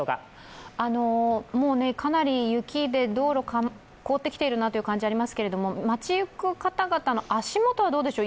もうかなり雪で道路、凍ってきている感じがありますが街行く方々の足元はどうでしょうか。